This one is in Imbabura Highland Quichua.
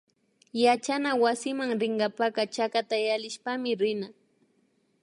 Yachana wasiman rinkapaka chakata yallishpami rina